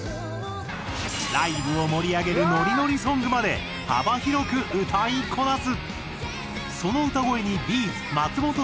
ライブを盛り上げるノリノリソングまで幅広く歌いこなす！